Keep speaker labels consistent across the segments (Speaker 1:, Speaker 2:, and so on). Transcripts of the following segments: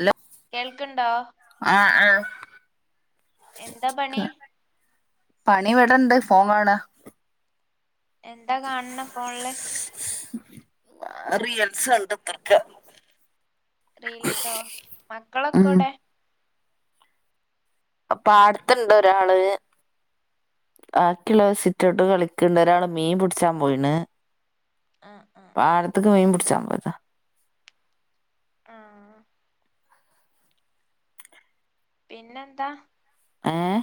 Speaker 1: Hello
Speaker 2: കേൾക്ക്ണ്ടോ
Speaker 1: ആഹ് ആഹ്
Speaker 2: എന്താ പണി
Speaker 1: പണിവെടണ്ട് ഫോൺ കാണ
Speaker 2: എന്താ കാൺണെ ഫോൺല്
Speaker 1: ആഹ് റീൽസണ്ടുത്തർക്കാ
Speaker 2: റീൽസോ മക്കളൊക്കെ
Speaker 1: ഉം
Speaker 2: ഔടെ
Speaker 1: അ പാടത്ത്ണ്ട് ഒരാള് ബാക്കിള്ളോര് സിറ്റോട്ട് കളിക്ക്ണ്ട് ഒരാള് മീൻ പുട്ച്ചാൻ പോയിണ്
Speaker 2: ആഹ് ആഹ് ആഹ്
Speaker 1: ത്ത്ക്ക് മീൻ പുട്ച്ചാൻ പോയതാ
Speaker 2: ആഹ് പിന്നെന്താ
Speaker 1: ഏഹ്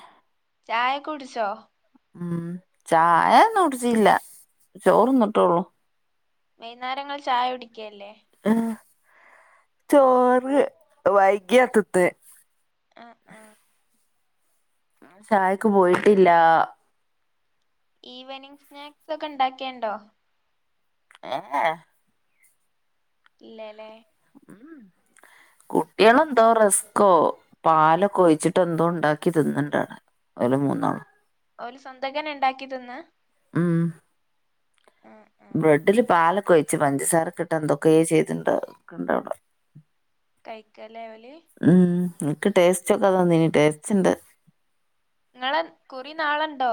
Speaker 2: ചായൊക്കൊകുടിച്ചോ
Speaker 1: ഉം ചായൊന്നു കുട്ച്ചീല്ല ചോറ്ന്ന്ട്ടൊള്ളൂ
Speaker 2: വൈന്നാരങ്ങൾ ചായ കുടിക്കേല്ലേ
Speaker 1: ആഹ് ചോറ് വൈകിയ തിന്നേ
Speaker 2: ആഹ് ആഹ്
Speaker 1: അൺ ചായക്ക് പോയിട്ടില്ല
Speaker 2: ഈവനിംഗ് സ്നാക്സൊക്കെ ണ്ടാക്കേണ്ടോ?
Speaker 1: ഏഹ്
Speaker 2: ഇല്ല ലേ
Speaker 1: കുട്ട്യാളെന്തോ റെസ്ക്കോ പാലൊക്കെ ഒഴിച്ചിട്ട് എന്തോണ്ടാക്കി തിന്ന്ണ്ട് അടെ ഓല് മൂന്നാളും
Speaker 2: ഓല് സ്വന്തക്കന്നെ ണ്ടാക്കി തിന്നാ
Speaker 1: ആഹ്
Speaker 2: ഏഹ്
Speaker 1: ബ്രെഡ്ഡ്ല് പാലൊക്കെ ഒഴിച്ച് പഞ്ചസാരക്കെട്ട് എന്തൊക്കേ ചെയ്തിണ്ടവിടെ ക്ക്ണ്ടവിടെ
Speaker 2: കഴിക്കലെ ഒല്
Speaker 1: ഉം ഇൻക്ക് ടേസ്റ്റോക്കാൻ തനിനീ, ടേസ്റ്റ് ണ്ട്
Speaker 2: ങ്ങളെ കുറി നാളെണ്ടോ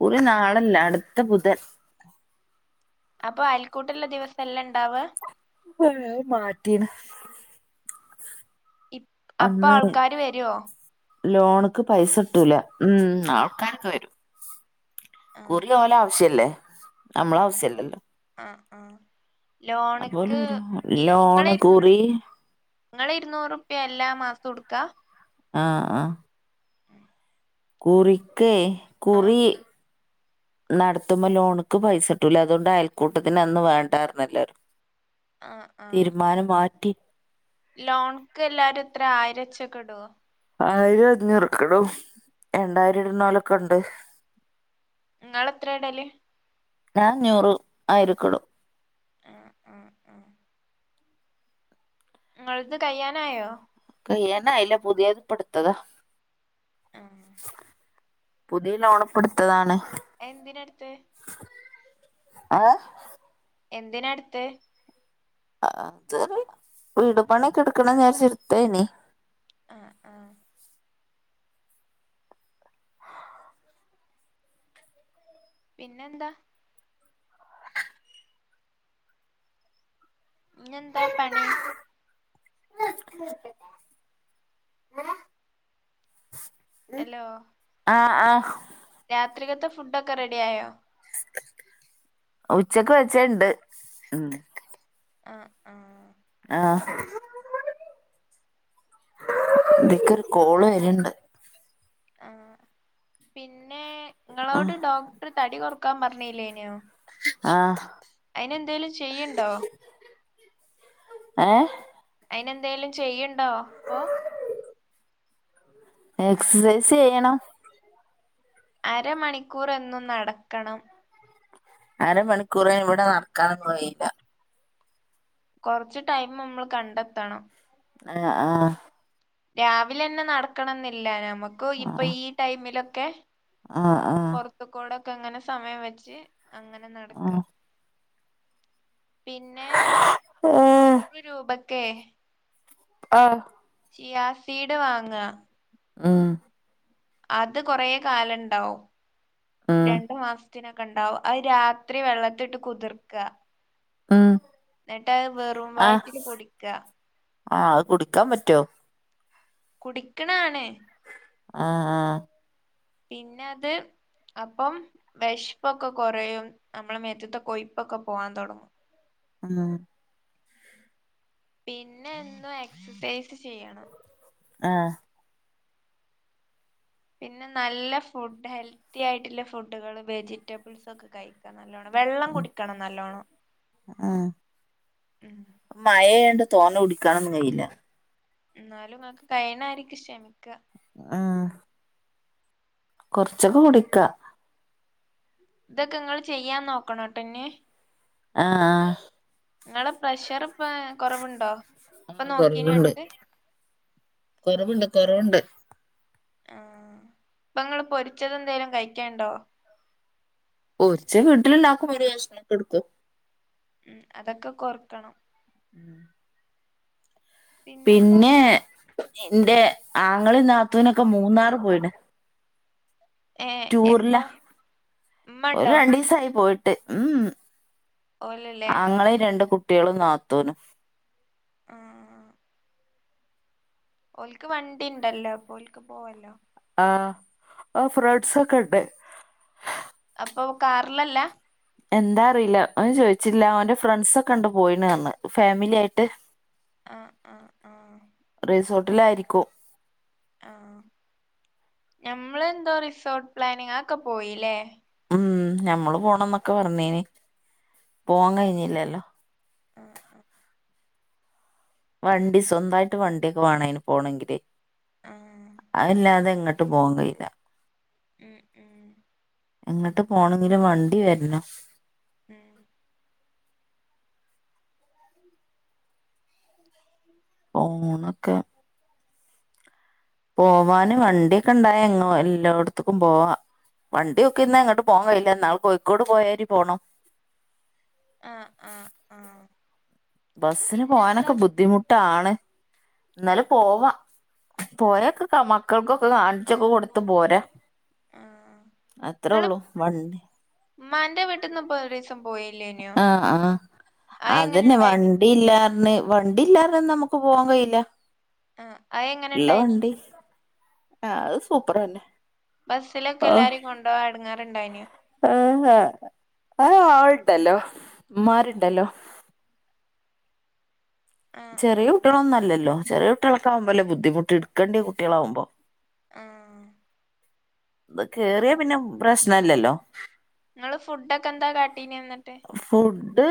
Speaker 1: കുറിനാളെല്ല അടുത്ത ബുധൻ
Speaker 2: അപ്പൊ അൽക്കൂട്ടള്ള ദിവസല്ലണ്ടാവ
Speaker 1: ഹേ അത് മാറ്റീണ്
Speaker 2: ഇപ്
Speaker 1: അന്ന്
Speaker 2: അപ്പാൾക്കാര് വരോ
Speaker 1: ലോണ്ക്ക് പൈസട്ടൂല. ഉം ആൾക്കാരൊക്കെ വരും
Speaker 2: ആഹ്
Speaker 1: കുറി ഓലെ ആവശ്യ അല്ലേ നമ്മളെ
Speaker 2: ആഹ്
Speaker 1: ആവശ്യല്ലല്ലോ
Speaker 2: ആഹ് ആഹ്
Speaker 1: അപ്പോലെ
Speaker 2: ലോണക്ക്
Speaker 1: വരും
Speaker 2: ഇ ഇങ്ങള്
Speaker 1: ലോണ്
Speaker 2: ഇരു
Speaker 1: കുറി
Speaker 2: ഇങ്ങൾ ഇരുന്നൂറ് ഉറുപ്യ എല്ലാ മാസം എടുക്കാ
Speaker 1: ആഹ് ആഹ്
Speaker 2: ഉം
Speaker 1: കുറിക്ക്കേ കുറി നടത്തുമ്പോൾ ലോണിക്ക് പൈസ ഇട്ടൂല്ല അതുകൊണ്ട് അയൽക്കൂട്ടത്തിന്റെ അന്ന് വേണ്ടാന്ന് പറഞ്ഞെല്ലാരും
Speaker 2: ആഹ്
Speaker 1: തീരുമാനം മാറ്റി
Speaker 2: ലോൺക്ക് എല്ലാവരും എത്ര ആയിരവെച്ചൊക്കെ ഇടോ
Speaker 1: ആയിരം അഞ്ഞെറോക്കടും രണ്ടായിരം ഇടുന്നോലൊക്കെ ഉണ്ട്
Speaker 2: നിങ്ങളെത്രയാ ഇടല്
Speaker 1: ഞാൻ അഞ്ഞൂറ് ആയിരോക്കേ ഇടും
Speaker 2: ആ ഉം ഉം നിങ്ങളത് കയ്യാനായോ?
Speaker 1: കയനായില്ല പുതിയതിപ്പടുത്തത
Speaker 2: ആഹ്
Speaker 1: പുതിയ ലോണിപ്പോ എടുത്തതാണ്
Speaker 2: എന്തിനേടുത്തേ
Speaker 1: ഏഹ്
Speaker 2: എന്തിനാ എടുത്തേ
Speaker 1: അത് വീട് പണിക്കെ എടുക്കണം ന്ന് വിജാരിച്ച് എടുത്തനി
Speaker 2: ആഹ് ആഹ് പിന്നെന്താ ഇഞ്ഞെന്താ പണി
Speaker 1: [unintelligible]
Speaker 2: എലോ
Speaker 1: ആഹ് ആഹ്
Speaker 2: രാത്രികത്തെ ഫുഡൊക്കെ റെഡിയായോ
Speaker 1: ഉച്ചക്ക് വെച്ചത്ണ്ട് ഉം
Speaker 2: ആഹ് ആഹ്
Speaker 1: ആഹ് ഇത്തിക്കൊരു കോള് വരണ്ട്
Speaker 2: ആ പിന്നെ നിങ്ങളോട്
Speaker 1: ആഹ്
Speaker 2: ഡോക്ടറ് തടി കൊറക്കാൻ പറഞ്ഞില്ലേനോ
Speaker 1: ആഹ്
Speaker 2: അയിന് എന്തേലും ചെയ്യ്ണ്ടോ
Speaker 1: ഏ
Speaker 2: അയിനേന്തേലും ചെയ്യണ്ടോ അപ്പോ
Speaker 1: എക്സസൈസ് ചെയ്യണം
Speaker 2: അരമണിക്കൂർ എന്നും നടക്കണം
Speaker 1: അരമണിക്കൂറ് ഇവിടെ നടക്കാനൊന്നും കയില്ല
Speaker 2: കൊറച്ച് ടൈം നമ്മള് കണ്ടെത്തണം
Speaker 1: ആഹ് ആഹ്
Speaker 2: രാവിലെ അന്നേ നടക്കണന്നില്ല നമുക്ക് ഇപ്പൊ ഈ ടൈമിലൊക്കെ
Speaker 1: ആ ആഹ്
Speaker 2: ഇതുക്കോടൊക്കെ ഇങ്ങനെ സമയം വെച്ച് അങ്ങനെ നടക്ക
Speaker 1: ആഹ്
Speaker 2: പിന്നെ
Speaker 1: ആഹ് ഏഹ്
Speaker 2: നൂറ് രൂപക്കെ
Speaker 1: ആ
Speaker 2: ചിയാസീട് വാങ്ങ
Speaker 1: ഉം
Speaker 2: അത് കൊറെ കാലംണ്ടാവും
Speaker 1: ഉം
Speaker 2: രണ്ടു മാസ ത്തിനൊക്കെ ഉണ്ടാവും അത് രാത്രി വെള്ളത്തിലിട്ട് കുതിർക്ക
Speaker 1: ആഹ്
Speaker 2: ന്ന്ട്ട് അത് വെറും വയറ്റില് കുടിക്ക
Speaker 1: ആഹ് അത് കുടിക്കാൻ പറ്റോ
Speaker 2: കുടിക്ക്ണാണ്
Speaker 1: ആഹ് ആഹ്
Speaker 2: പിന്നെ അത് അപ്പം വെശ്പ്പൊക്കെ കൊറയും നമ്മളെ മേത്ത്ത്തെ കൊയ്പ്പൊക്കെ പോവാൻ തൊടങ്ങും
Speaker 1: ഒന്നോ
Speaker 2: പിന്നെ എന്നും എക്സസൈസ് ചെയ്യണം
Speaker 1: ആഹ്
Speaker 2: പിന്നെ നല്ല ഫുഡ് ഹെൽത്തി ആയിട്ടുള്ള ഫുഡുകൾ വെജിറ്റബിൾസൊക്കെ കഴി നല്ലോണം വെള്ളം കുടിക്കണം നല്ലോണം
Speaker 1: ഉം
Speaker 2: ഉം
Speaker 1: മഴയായോണ്ട് തോനെ കുടിക്കാനൊന്നും കഴിയില്ല
Speaker 2: ന്നാലും ഇങ്ങക്ക് കഴ്ണായിരിക്ക് ശമിക്ക
Speaker 1: ആഹ് കൊർച്ചൊക്കെ കുടിക്ക
Speaker 2: ഇതൊക്കെ ഇങ്ങള് ചെയ്യാൻ നോക്കണട്ടൊ ഇഞ്
Speaker 1: ആഹ് ആഹ്
Speaker 2: ഇങ്ങളെ പ്രഷർ ഇപ്പ കൊറവ്ണ്ടോ
Speaker 1: ആഹ് കൊറവ്ണ്ട് കൊറവ്ണ്ട് കൊറവ്ണ്ട്
Speaker 2: ആഹ് ഇപ്പ ഇങ്ങള് പൊരിച്ചത് എന്തേലും കഴിക്കേണ്ടോ
Speaker 1: പൊരിച്ചെ വീട്ടില് ഇണ്ടാക്കുമ്പം ഒരു കഷ്ണം ഒക്കെ ഇട്ക്കും
Speaker 2: ഉം അതൊക്കെ കൊർക്കണം
Speaker 1: ഉം
Speaker 2: പിന്നെന്താ
Speaker 1: പിന്നെ ഇന്റെ ആങ്ങളിം നാത്തൂനൊക്കെ മൂന്നാറ് പോയിണ്
Speaker 2: ഏഹ്
Speaker 1: ടൂർലാ
Speaker 2: എപ്പോ ഉമ്മ
Speaker 1: ഓല്
Speaker 2: ഉണ്ടോ
Speaker 1: രണ്ടീസായി പോയിട്ട് ഉം
Speaker 2: ഓലല്ലേ ഓൽ-
Speaker 1: ആങ്ങളിം രണ്ട് കുട്ട്യളും നാത്തൂനും
Speaker 2: ആഹ് ഓൽക്ക് വണ്ടി ഇണ്ടല്ലോ അപ്പൊ ഓൽക്ക് പോവല്ലോ
Speaker 1: ആഹ് ആ ഫ്രണ്ട്സ് ഒക്കെ ഇണ്ട്
Speaker 2: അപ്പൊ കാർലല്ല
Speaker 1: എന്താ അറിയില്ല അഒന്നും ചോയ്ച്ചില്ല അവന്റെ ഫ്രണ്ട്സൊക്കെ ഇണ്ട് പോയീണ് പറഞ്ഞ് ഫാമിലി ആയിട്ട്
Speaker 2: അ അ ആഹ്
Speaker 1: റിസോട്ടിലായിരിക്കും
Speaker 2: ആഹ് ഞമ്മളെന്തോ റിസോട്ട് പ്ലാനിങ് അഒക്കെ പോയില്ലേ
Speaker 1: ഉം ഞമ്മള് പോണംന്നൊക്കെ പറഞ്ഞീനി പോവാൻ കഴിഞ്ഞില്ലല്ലോ
Speaker 2: ആ ആ
Speaker 1: വണ്ടി സ്വന്തായിട്ട് വണ്ടിയൊക്കെ വാണം അയ്ന് പോണെങ്കിലെ
Speaker 2: ആഹ്
Speaker 1: അ അല്ലാതെ എങ്ങട്ടും പോവാൻ കഴിയില്ല
Speaker 2: ഉം ഉം
Speaker 1: എങ്ങട്ട് പോണെങ്കിലും വണ്ടി വര്നം
Speaker 2: ഉം
Speaker 1: ഉ ഓണൊക്കെ പോവാന് വണ്ടിയൊക്കെ ഇണ്ടായ എങ്ങോ എല്ലോട്ത്ത്ക്കും പോവാ വണ്ടി നോക്കി ഇര്ന്നാ എങ്ങട്ടും പോവാൻ കഴിയില്ല ഇന്നാള് കോഴിക്കോട് പോയാരി പോണം
Speaker 2: ആ ആ ആഹ്
Speaker 1: ബസ്സിന് പോകാനൊക്കെ ബുദ്ധിമുട്ടാണ്
Speaker 2: ആ
Speaker 1: ഇന്നാലും പോവാ പോയാ ഒക്കെ മക്കൾക്കൊക്കെ കാണിച്ചൊക്കെ കൊട്ത്ത് പോരാ
Speaker 2: ആ
Speaker 1: അത്രെ ഒള്ളു വണ്ടി
Speaker 2: ഇമ്മന്റെ വീട്ടിൽന്ന് ഇപ്പൊ ഒരിസം പോയി
Speaker 1: ആഹ് ആഹ്
Speaker 2: എങ്ങനെ
Speaker 1: അതന്നെ വണ്ട്
Speaker 2: ഉണ്ടായിന്
Speaker 1: വണ്ടി ഇല്ലാന്ന് പറഞ്ഞ് വണ്ടി ഇല്ലാതെ ഒന്നും നമുക്ക് പോവാാൻ കഴയില്ല
Speaker 2: ആ അത് എങ്ങനെ
Speaker 1: എല്ലാ
Speaker 2: ഉണ്ടായിന്
Speaker 1: വണ്ടി ആഹ് അത് സൂപ്പർ തന്നെ
Speaker 2: ബസ്സിലൊക്കെ എല്ലാരും കൊണ്ടുപോവാൻ എടങ്ങേറുണ്ടായിന്നോ
Speaker 1: ഏഹ് ഏഹ് ആളണ്ടല്ലോ ഇമ്മറുണ്ടല്ലോ
Speaker 2: ആ ആ
Speaker 1: ചെറിയ കുട്ടികളൊന്നുമല്ലോ ചെറിയ കുട്ടികൾക്കെ ആവുമ്പളല്ലേ ബുദ്ധിമുട്ട് ഇടുക്കേണ്ടി കുട്ട്യാളകുബോ
Speaker 2: ആഹ്
Speaker 1: ഇത് കേറിയാ പിന്നെ പ്രശ്നല്ലല്ലോ
Speaker 2: നിങ്ങള് ഫുഡോക്കെ എന്താ കാട്ടീനെന എന്നിട്ട്
Speaker 1: ഫുഡ്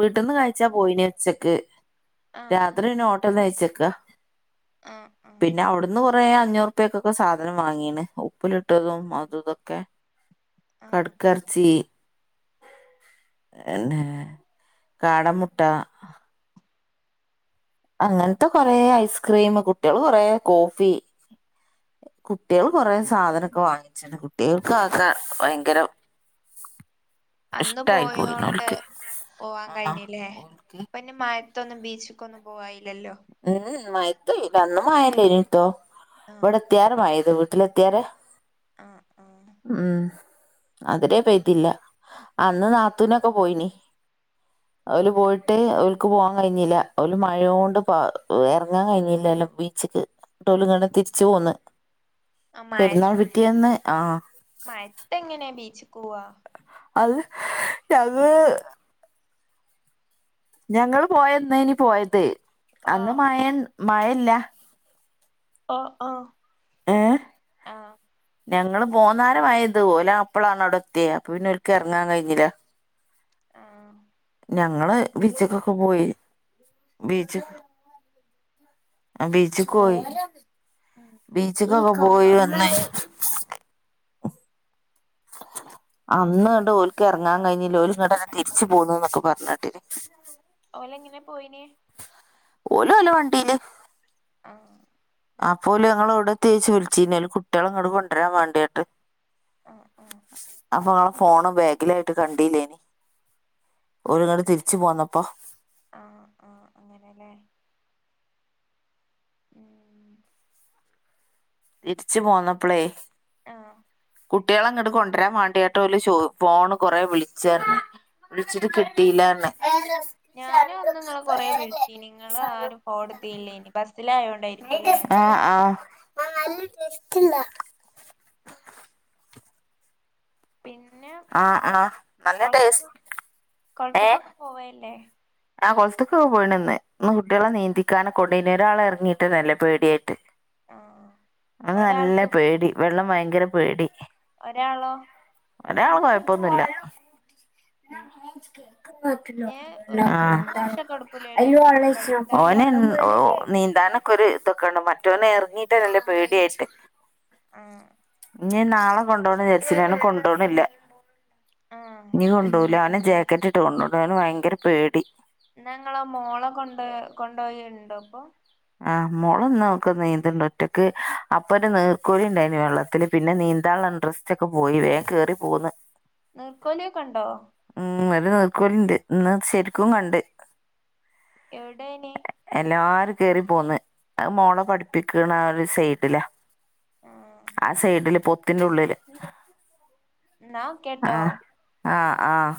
Speaker 1: വീട്ടന്ന് കഴിച്ചാ പോയിനെ ഉച്ചക്ക്
Speaker 2: ആഹ്
Speaker 1: രാത്രി എന്നിട് പിന്നെ ഹോട്ടലിൽനിന്ന് കഴിച്ചക്ക
Speaker 2: ആഹ് ആഹ്
Speaker 1: പിന്നെ അവിടു അന്ന് കുറേ അഞ്ഞൂറ്പക്കൊക്കെ സാധനം വാങ്ങീണ് ഉപ്പിലിട്ടതും അതുതൊക്കെ
Speaker 2: ആഹ്
Speaker 1: കട്ക്കറച്ചി എന്നെ കാട മുട്ട അങ്ങനത്തെ കൊറെ ഐസ്ക്രീം കുട്ട്യാള് കൊറേ കോഫി കുട്ട്യാള് കൊറേ സാധനോക്കെ വാങ്ങിച്ച്ണ് കുട്ട്യാകക്കെ ഭയങ്കരം
Speaker 2: അന്ന്
Speaker 1: പോയിണ്
Speaker 2: പോയോണ്ട്
Speaker 1: ഓൽക്ക്
Speaker 2: പോവാൻ
Speaker 1: ആഹ്
Speaker 2: കഴിഞ്ഞില്ലേ
Speaker 1: ഓൽക്ക്
Speaker 2: ഇപ്പോന്ന് മായത്തൊന്നും ബീച്ചക്ക്ന്നും പോവായില്ലലോ
Speaker 1: ഏഹ് ഉം മയത്ത് പോയി അന്ന് മയല്ലെനിട്ടോ
Speaker 2: ആഹ്
Speaker 1: ഇവിടെ എത്തിയാണ്ട് മയ പെയ്തു വീട്ടില് എത്തിയാണ്ട്
Speaker 2: ആഹ് ആഹ്
Speaker 1: ഉം അത്വരെ പെയ്തില്ല അന്ന് നാത്തൂനൊക്കെ പോയിനി ഓല് പോയിട്ട് ഓല്ക്ക് പോവാാൻ കഴിഞ്ഞില്ല ഓല് മഴയോണ്ട് ഇപ്പൊ ഇറങ്ങാൻ കഴിഞ്ഞില്ലല്ലോ ബീച്ചക്ക് ഇന്നിട്ട് ഓല് തിരിച്ചു പോന്ന് പെരുന്നാൾ പിറ്റേന്ന് ആഹ്
Speaker 2: മഴത്തെങ്ങനെ ബീച്ചിക് പോവാ
Speaker 1: അത് ഞങ്ങള് ഞങ്ങൾ പോയന്നേനു പോയത് അന്ന്
Speaker 2: ആഹ്
Speaker 1: മഴ മഴല്ല
Speaker 2: ഓ ഓ ആഹ്
Speaker 1: ഞങ്ങൾ പോന്നാരം മഴ പെയ്തത് ഓല് ആപ്പളാണ്‌ അവുടെത്തെ അവുടെത്തിയെ അപ്പൊ പിന്നെ ഓല്ക് ഇറങ്ങാൻ കഴിഞ്ഞില്ല
Speaker 2: ആഹ്
Speaker 1: ഞങ്ങള് ബീച്ച്ക്കൊക്കെ പോയി ബീച്ച് ബീച്ചിൽക്കോയി
Speaker 2: ഉം
Speaker 1: ബീച്ച്ക്കൊക്കെ പോയി വന്ന് അന്ന് ഇന്നിട്ട് ഓല്ക്ക് ഇറങ്ങാൻ കഴിഞ്ഞില്ല ഓല് ഇങ്ങട്ടന്നെ തിരിച്ചു പോന്നു എന്നൊക്കെ പറഞ്ഞ കേട്ടിന്
Speaker 2: ഓലെങ്ങനെ പോയിനെ
Speaker 1: ഓലോലേ വണ്ടീയില്
Speaker 2: ആഹ്
Speaker 1: അപ്പോ ഓല് ഞങ്ങൾ എവിടെത്തി ചോയ്ച്ചു വിളിച്ചനി അയില് കുട്ട്യാളെ ഇങ്ങോട്ട കൊണ്ടുവരാൻ വണ്ടിയിട്ട്
Speaker 2: ആഹ് ആഹ്
Speaker 1: അപ്പൊ ആ ഫോൺ ബാഗിലായിട്ട് കണ്ടില്ലേനി ഓല് ഇങ്ങട്ട് തിരിച്ചു പോന്നപ്പോ
Speaker 2: ആഹ് ആഹ് അങ്ങനെല്ലേ ഉം
Speaker 1: തിരിച്ചു പോന്നപ്പളേയ്
Speaker 2: ആഹ്
Speaker 1: കുട്ട്യാളെ ഇങ്ങോട്ട് കൊണ്ടുവരാൻ വണ്ടിട്ട് ചോ ഫോണ് കൊറെേ വിളിച്ച്റഞ്ഞ് വിളിച്ചിട്ട് കിട്ടില്ലെന്ന്
Speaker 2: ഞാനും അന്ന് നിങ്ങളെ കൊറേ വിളിച്ചി നിങ്ങള് ആരും ഫോൺ ഇടത്തില്ലേനിം ബസ്സിലായോണ്ട
Speaker 1: ആഹ് ആഹ്
Speaker 2: പിന്നെ
Speaker 1: ആ
Speaker 2: കൊ
Speaker 1: ആ നല്ല
Speaker 2: കൊളത്ത്
Speaker 1: ടേസ്റ്റ്
Speaker 2: കൊളത്തക്കൊക്കെ പോവല്ലേ
Speaker 1: ആഹ് കൊളത്തക്കൊക്കെ പോയിനിം ഇന്ന് കുട്ടികളെ നീന്തിക്കാനെ കൊണ്ട് ഒരാൾ ഇറങ്ങിയിട്ട്ന്നേയില്ല പേടിയായിട്ട്
Speaker 2: ആഹ്
Speaker 1: ഓൻ നല്ല
Speaker 2: ഒരാൾക്ക്
Speaker 1: പേടി വെള്ളം ഭയങ്കര പേടി
Speaker 2: ഒരാളോ
Speaker 1: ഒരാള് കൊഴപ്പൊന്നുംല്ല
Speaker 2: ഉം ന് ഒരു
Speaker 1: ആഹ്
Speaker 2: മൂന്ന് വർഷൊക്കെ എടുക്കൂലേലും
Speaker 1: [unintelligible]
Speaker 2: പഠിക്കാന്
Speaker 1: ഓന് ഉം ഓ നീന്താനൊക്കെ ഒര് തൊക്കെണ്ട് മറ്റോനെ എറങ്ങീട്ടെന്നെല്ല പേടിയിട്ട്
Speaker 2: ഉം
Speaker 1: ഇനി നാളെ കൊണ്ടോണം ജാരിച്ച് നി അന്ന് കൊണ്ടോണില്ല
Speaker 2: ആഹ്
Speaker 1: ഇനി കൊ ടൂലാന്ന് ജാക്കറ്റ്ട്ട് കൊണ്ടോണം വൻ ഭയങ്കര പേടി
Speaker 2: ന്നാ ഇങ്ങളെ മോളെ കൊണ്ട് കൊണ്ടോയേണ്ടോ ഇപ്പൊ
Speaker 1: ആ മോള്ന്ന് നൊക്ക് നീന്ത്ണ്ട് ഒറ്റക്ക് അപ്പൊ ഒര് നീർക്കോലിണ്ടായിന് വെള്ളത്തില് പിന്നെ നീന്താള ഇൻഡ്രസ്റ്റ് ഒക്കെ പോയി വേകേറി പോന്ന്
Speaker 2: നീർക്കോലി ഒക്കണ്ടോ
Speaker 1: ഉം ഒര് നീർക്കോലിണ്ട് ഇന്ന് ശെരിക്കും കണ്ട്
Speaker 2: എവ്ടെന്
Speaker 1: എല്ലാരും കേറി പോന്ന് അഹ് മോള പഠിപ്പിക്ക്ണ ഒര് സൈഡില
Speaker 2: ആഹ്
Speaker 1: ആ സൈഡില് പൊത്തിന്റെ ഉള്ളില്
Speaker 2: ന്നാ ഒക്കേട്ടോ
Speaker 1: ആഹ് ആഹ്